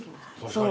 そう。